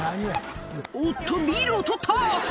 おっと、ビールを取った。